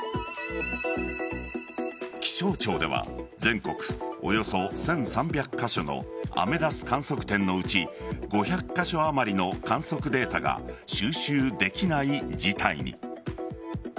気象庁では全国およそ１３００カ所のアメダス観測点のうち５００カ所あまりの観測データが収集できない事態に。